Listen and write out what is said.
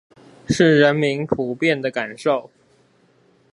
是人民普遍的感受